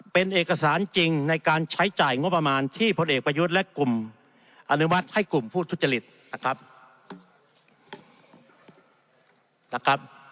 เป็นเอกสารจริงในการใช้จ่ายงบประมาณที่พลเอกประยุทธ์และกลุ่มอนุมัติให้กลุ่มผู้ทุจริตนะครับ